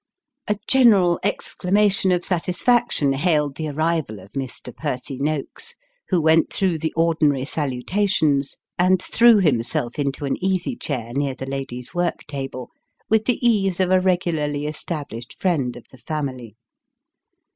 A general exclamation of satisfaction hailed the arrival of Mr. Percy Noakes, who went through the ordinary salutations, and threw himself into an easy chair near the ladies' work table, with the ease of a regularly established friend of the family.